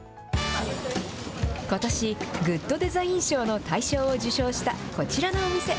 ことし、グッドデザイン賞の大賞を受賞したこちらのお店。